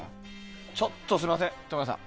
ちょっと、すみません冨永さん。